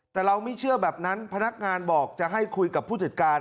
แต่เราไม่เชื่อแบบนั้นพนักงานบอกจะให้คุยกับผู้จัดการ